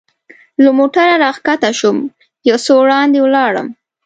له موټره را کښته شوم، یو څه وړاندې ولاړم.